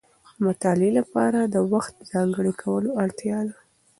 د مطالعې لپاره د وخت ځانګړی کولو اړتیا ده.